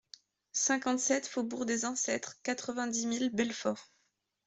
cinquante-sept faubourg des Ancêtres, quatre-vingt-dix mille Belfort